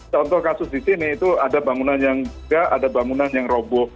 contoh kasus di sini itu ada bangunan yang juga ada bangunan yang roboh